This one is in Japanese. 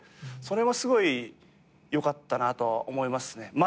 それはすごいよかったなと思いますね。